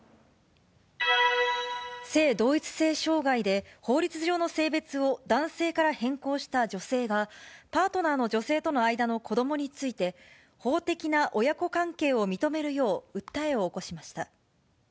性同一性障害で、法律上の性別を男性から変更した女性が、パートナーの女性との間の子どもについて、法的な親子関係を認めるよう訴えを起こしました。